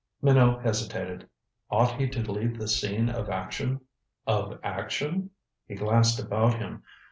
Minot hesitated. Ought he to leave the scene of action? Of action? He glanced about him.